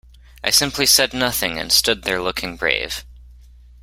I simply said nothing, and stood there looking brave.